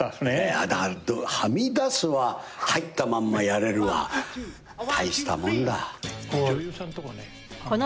はみ出すわ入ったままやれるわ大したもんだ。